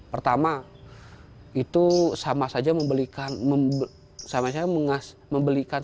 pertama itu sama saja membelikan